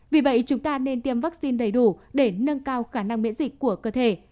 vì vậy chúng ta nên tiêm vaccine đầy đủ để nâng cao khả năng miễn dịch của cơ thể